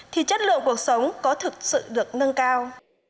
thì chất lượng cuộc sống có thực sự được nâng cao